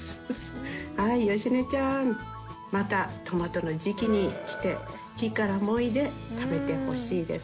はーい、芳根ちゃーん、またトマトの時期に来て、木からもいで食べてほしいです。